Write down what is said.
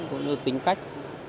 cũng như tính cách